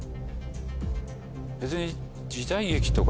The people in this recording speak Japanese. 別に。